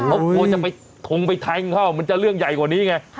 เขากลัวจะไปทงไปแทงเข้ามันจะเรื่องใหญ่กว่านี้ไง